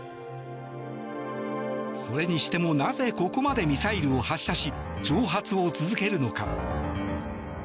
それにしてもなぜここまでミサイルを発射し挑発を続けるのか。